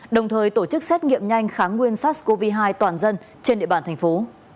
đồng thời tổ chức xét nghiệm nhanh kháng nguyên sars cov hai toàn dân trên địa bàn thành phố